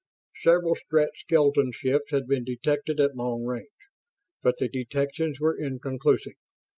Several Strett skeleton ships had been detected at long range, but the detections were inconclusive.